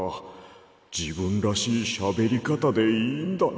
じぶんらしいしゃべりかたでいいんだな。